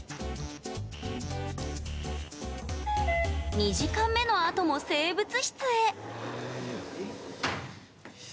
２時間目のあとも生物室へ。